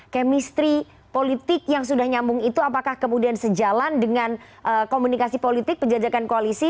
kemistri politik yang sudah nyambung itu apakah kemudian sejalan dengan komunikasi politik penjajakan koalisi